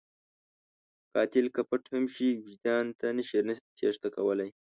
قاتل که پټ هم شي، وجدان ته نشي تېښته کولی